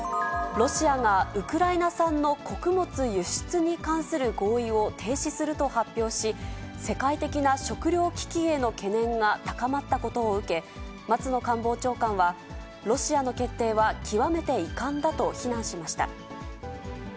ロシアがウクライナ産の穀物輸出に関する合意を停止すると発表し、世界的な食糧危機への懸念が高まったことを受け、松野官房長官は、ロシアの決定は極めて遺憾だと非難しました。